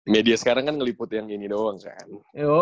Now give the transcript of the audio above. media sekarang kan ngeliput yang ini doang kan